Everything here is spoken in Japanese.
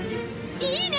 いいね！